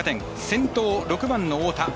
先頭、６番の太田。